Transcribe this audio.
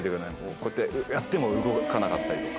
こうやってやっても動かなかったりとか。